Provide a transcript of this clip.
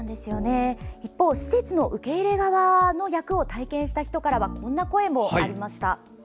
一方、施設の受け入れ側を体験した方からはこんな声もありました。